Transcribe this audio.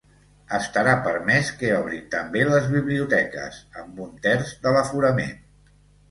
Estarà permès que obrin també les biblioteques, amb un terç de l’aforament.